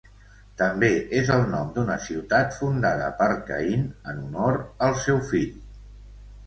També és el nom d'una ciutat fundada per Caín en honor al seu fill.